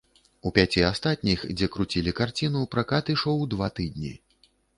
У пяці астатніх, дзе круцілі карціну, пракат ішоў два тыдні.